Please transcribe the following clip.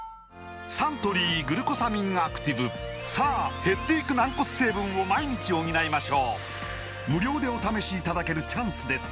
サントリー「グルコサミンアクティブ」さあ減っていく軟骨成分を毎日補いましょう無料でお試しいただけるチャンスです